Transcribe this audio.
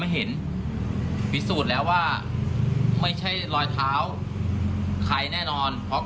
เห็นไหมครับ